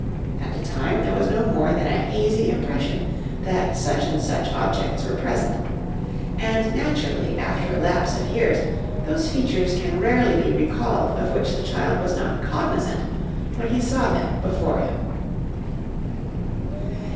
At the time, there was no more than a hazy impression that such and such objects were present, and naturally, after a lapse of 48 HOME EDUCATION years, those features can rarely be recalled of which the child was not cognisant when he saw them before him.